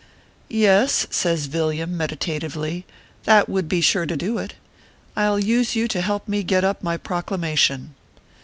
"Yes," says Villiam, meditatively, "that would be sure to do it. I ll use you to help me get up my Proclamation."